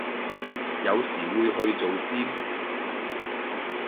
有時會去做尖